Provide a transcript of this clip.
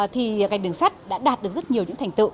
thì ngành đường sắt đã đạt được rất nhiều những thành tựu